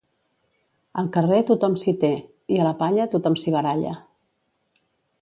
Al carrer tothom s'hi té i a la palla tothom s'hi baralla.